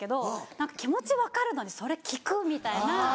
何か気持ち分かるのにそれ聞く？みたいな。